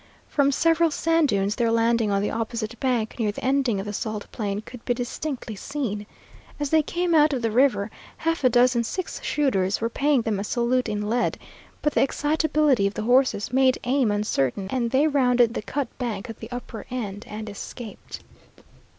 From several sand dunes their landing on the opposite bank near the ending of the salt plain could be distinctly seen. As they came out of the river, half a dozen six shooters were paying them a salute in lead; but the excitability of the horses made aim uncertain, and they rounded the cut bank at the upper end and escaped.